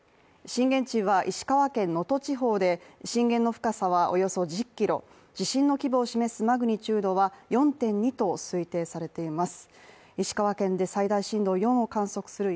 震源地は石川県能登地方で震源の深さはおよそ１０ｋｍ、地震の規模を示すマグニチュードは４．２と推定されています。